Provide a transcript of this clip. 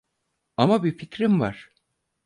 Ama bir fikrim var.